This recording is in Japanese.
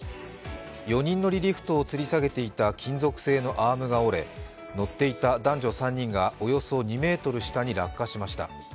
４人乗りリフトを吊り下げていた金属製のアームが折れ、乗っていた男女３人がおよそ２ｍ下に落下しました。